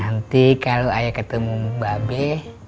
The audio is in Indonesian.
nanti kalau ayah ketemu mbak abe